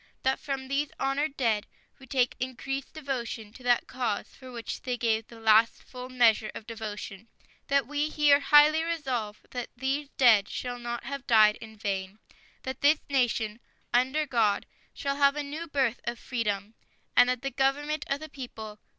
. .that from these honored dead we take increased devotion to that cause for which they gave the last full measure of devotion. .. that we here highly resolve that these dead shall not have died in vain. .. that this nation, under God, shall have a new birth of freedom. .. and that government of the people.